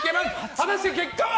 果たして、結果は？